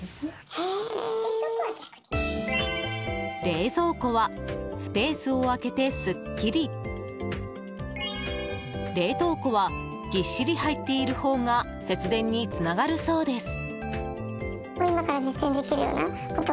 冷蔵庫はスペースを空けてすっきり冷凍庫はぎっしり入っているほうが節電につながるそうです。